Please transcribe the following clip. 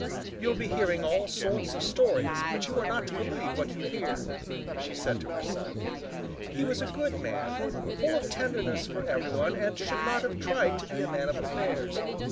"You'll be hearing all sorts of stories, but you are not to believe what you hear," she said to her son. "He was a good man, full of tenderness for everyone, and should not have tried to be a man of affairs.